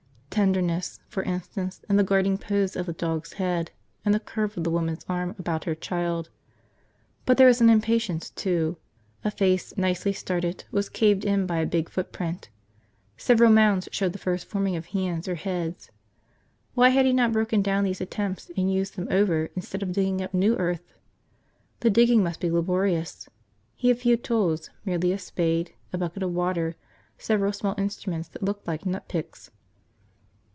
Tenderness, for instance, in the guarding pose of the dog's head, in the curve of the woman's arm about her child. But there was impatience, too. A face, nicely started, was caved in by a big footprint. Several mounds showed the first forming of hands or heads. Why had he not broken down these attempts and used them over instead of digging up new earth? The digging must be laborious. He had few tools, merely a spade, a bucket of water, several small instruments that looked like nut picks.